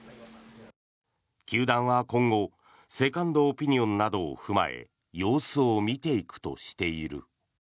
球団は今後セカンドオピニオンなどを踏まえ様子を見ていくとしている。